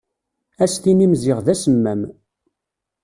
Ad s-tinni-m ziɣ d asemmam.